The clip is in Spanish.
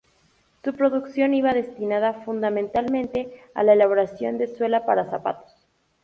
Su producción iba destinada, fundamentalmente, a la elaboración de suela para zapatos.